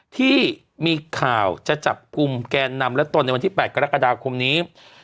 ที่มีข่าวจะจับกลุ่มแกนนำและตนในวันที่๘กรกฎาคมนี้